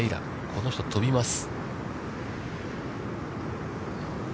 この人、飛びます。